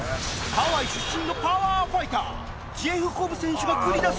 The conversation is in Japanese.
ハワイ出身のパワーファイタージェフ・コブ選手が繰り出す